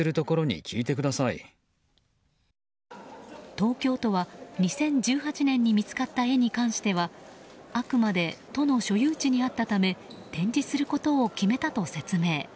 東京都は２０１８年に見つかった絵に関してはあくまで都の所有地にあったため展示することを決めたと説明。